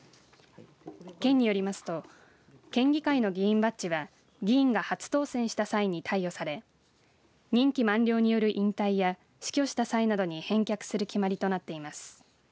県によりますと県議会の議員バッジは議員が初当選した際に貸与され任期満了による引退や死去した際などに返却する決まりとなっています。